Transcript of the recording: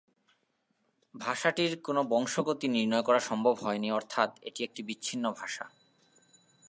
ভাষাটির কোন বংশগতি নির্ণয় করা সম্ভব হয়নি, অর্থাৎ এটি একটি বিচ্ছিন্ন ভাষা।